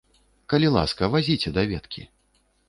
Калі ласка, вазіце даведкі.